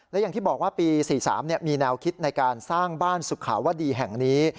และอย่างที่บอกว่าปี๔๓มีแนวคิดในการสร้างบ้านสุขาวดีแห่งนี้